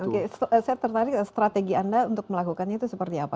oke saya tertarik strategi anda untuk melakukannya itu seperti apa